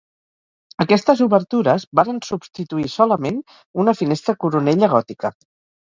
Aquestes obertures varen substituir solament una finestra coronella gòtica.